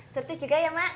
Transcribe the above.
seperti juga ya mak